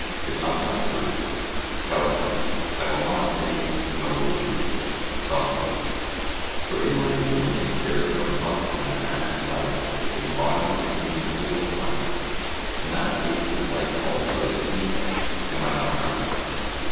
Is not that true? CALLICLES: I will not say No to it. SOCRATES: For in my opinion there is no profit in a man's life if his body is in an evil plight—in that case his life also is evil: am I not right?